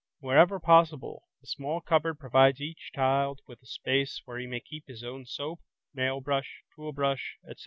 Wherever possible, a small cupboard provides each child with a space where he may keep his own soap, nail brush, tooth brush, etc.